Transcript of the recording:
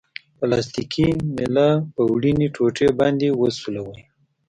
پلاستیکي میله په وړیني ټوټې باندې وسولوئ.